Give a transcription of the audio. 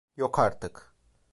Yok artık!